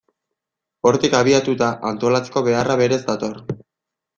Hortik abiatuta, antolatzeko beharra berez dator.